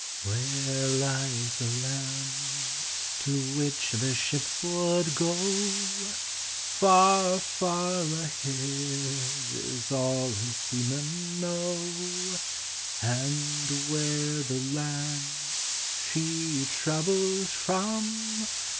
Where lies the land to which the ship would go ? Far, far ahead, is all her seamen know. And where the lan^l she travels from